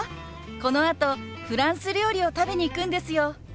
このあとフランス料理を食べに行くんですよ。